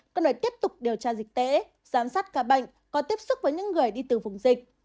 các nơi tiếp tục điều tra dịch tễ giám sát ca bệnh có tiếp xúc với những người đi từ vùng dịch